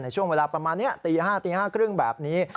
ช่วงเวลาประมาณนี้ตี๕ตี๕๓๐แบบนี้